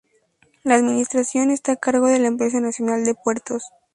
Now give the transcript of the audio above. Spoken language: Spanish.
La administración está a cargo de la Empresa Nacional de Puertos.